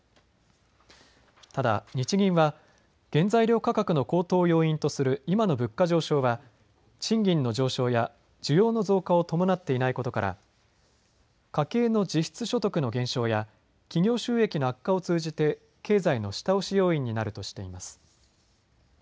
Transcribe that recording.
ただ、日銀は原材料価格の高騰を要因とする今の物価上昇は賃金の上昇や需要の増加を伴っていないことから家計の実質所得の減少や企業収益の悪化を通じて経済の下押し要因になるとしています。